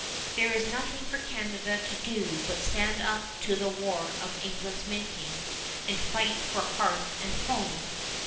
There is nothing for Canada to do but stand up to the war of England's making and fight for hearth and home.